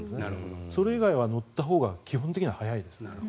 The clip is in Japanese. それ以外は乗ったほうが基本的に速いですね。